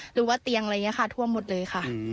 หรือว่าเตียงอะไรอย่างนี้ค่ะท่วมหมดเลยค่ะ